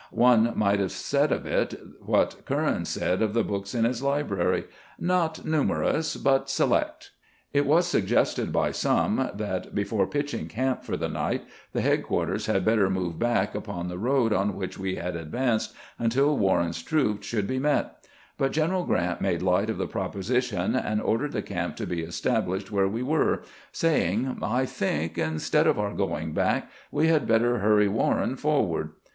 One might have said of it what Curran said of the books in his library, " Not numerous, but select." It was suggested by some that, before pitching camp for the night, the headquar ters had better move back upon the road on which we had advanced until Warren's troops should be met ; but Greneral Grrant made light of the proposition and ordered the camp to be established where we were, saying, "I think, instead of our going back, we had better hurry Warren forward."